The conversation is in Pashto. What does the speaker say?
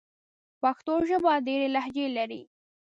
پښتو ژبه ډېري لهجې لري.